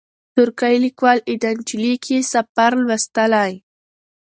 ترکی لیکوال ایدان چیلیک یې سفر لوستلی.